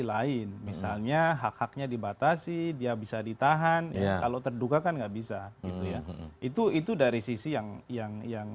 lain misalnya hak haknya dibatasi dia bisa ditahan kalau terduga kan nggak bisa gitu ya itu itu dari sisi yang yang